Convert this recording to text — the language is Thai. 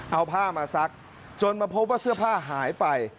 เอาผ้ามาซักจนมาพบว่าเสื้อผ้าหายไป